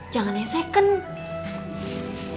jangan yang second